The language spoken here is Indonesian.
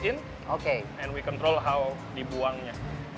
dan kita mengawal bagaimana dibuangnya